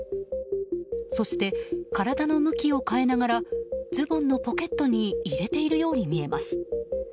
そして、体の向きを変えながらズボンのポケットに入れているように見えます。